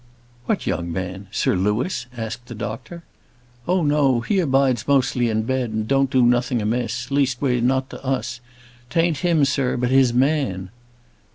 "What young man? Sir Louis?" asked the doctor. "Oh, no! he abides mostly in bed, and don't do nothing amiss; least way not to us. 'Tan't him, sir; but his man."